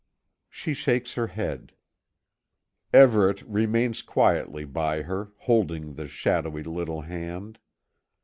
She shakes her head. Everet remains quietly by her, holding the shadowy little hand.